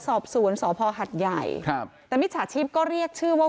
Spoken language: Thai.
สอบสวนสพหัดใหญ่ครับแต่มิจฉาชีพก็เรียกชื่อว่า